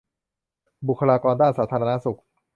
บุคคลากรด้านสาธารณสุข